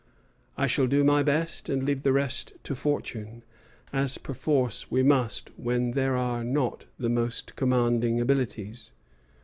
I shall do my best, and leave the rest to fortune, as perforce we must when there are not the most commanding abilities.